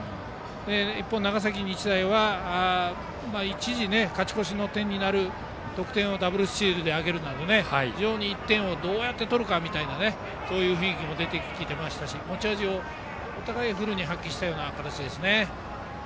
一方、長崎日大は一時、勝ち越しの点になる得点をダブルスチールで挙げるなど１点をどうやって取るかというそういう雰囲気も出ていましたし持ち味をお互い、フルに発揮したような形ですね。